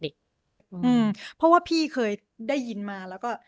เพราะว่าพี่เคยได้ยินมาแล้วก็